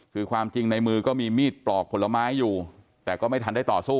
คือความจริงในมือก็มีมีดปลอกผลไม้อยู่แต่ก็ไม่ทันได้ต่อสู้